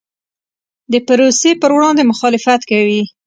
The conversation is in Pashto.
د پروسې پر وړاندې مخالفت کوي.